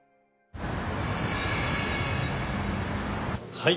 はい。